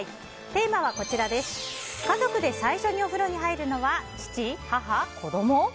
テーマは、家族で最初にお風呂に入るのは父・母・子供。